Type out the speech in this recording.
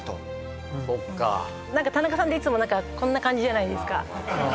田中さんっていつもこんな感じじゃないですか。